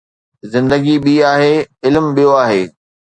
زندگي ٻي آهي، علم ٻيو آهي